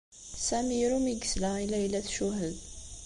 Sami iru mi yesla i Layla tcuhed.